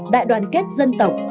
đại đoàn kết dân tộc